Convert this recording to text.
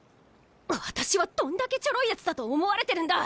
私はどんだけチョロいヤツだと思われてるんだ。